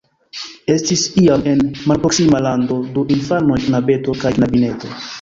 Estis iam en malproksima lando du infanoj, knabeto kaj knabineto.